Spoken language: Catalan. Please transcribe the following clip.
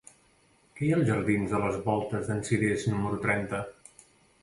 Què hi ha als jardins de les Voltes d'en Cirés número trenta?